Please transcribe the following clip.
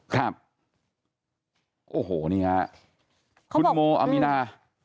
ครับโอ้โหนี่ฮะคุณโมอามีนา